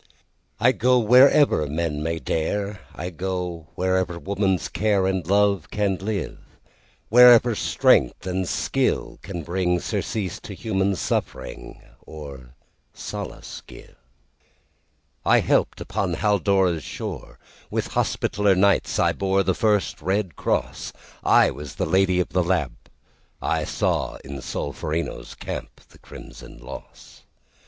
I go wherever men may dare,I go wherever woman's careAnd love can live, Wherever strength and skill can bringSurcease to human suffering, Or solace give.I helped upon Haldora's shore; With Hospitaller Knights I boreThe first red cross;I was the Lady of the Lamp;I saw in Solferino's campThe crimson loss.